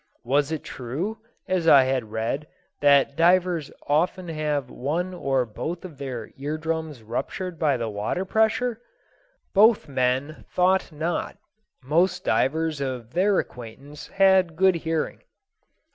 Was it true, as I had read, that divers often have one or both of their ear drums ruptured by the water pressure? Both men thought not; most divers of their acquaintance had good hearing.